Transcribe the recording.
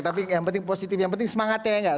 tapi yang penting positif yang penting semangatnya ya gak